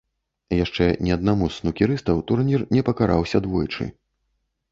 Яшчэ ні аднаму з снукерыстаў турнір не пакараўся двойчы.